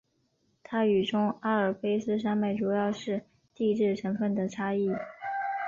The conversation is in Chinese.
它与中阿尔卑斯山脉主要是地质成分的差异。